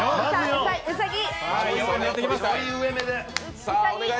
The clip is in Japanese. うさぎ！